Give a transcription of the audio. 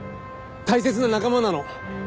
大切な仲間なの！